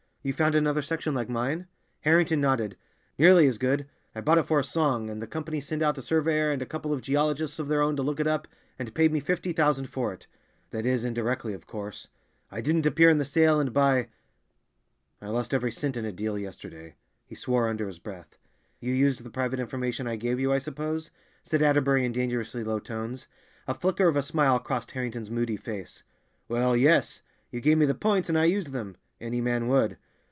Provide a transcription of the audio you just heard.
"You found another section like mine?" Harrington nodded. "Nearly as good. I bought it for a song, and the Company sent out a surveyor and a couple of geologists of their own to look it up, and paid me fifty thousand for it—that is, indirectly, of course. I didn't appear in the sale and by—I lost every cent in a deal yesterday." He swore under his breath. "You used the private information I gave you, I suppose?" said Atterbury in dangerously low tones. A flicker of a smile crossed Harrington's moody face. "Well, yes. You gave me the points, and I used them; any man would."